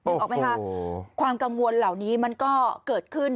ออกไหมคะความกังวลเหล่านี้มันก็เกิดขึ้น